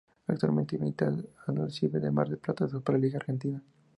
Actualmente milita en Aldosivi de Mar del Plata de la Superliga Argentina.